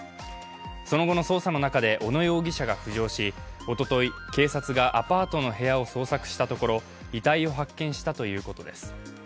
その後の捜査の中で、小野容疑者が浮上し、おととい警察がアパートの部屋を捜索したところ、遺体を発見したということです。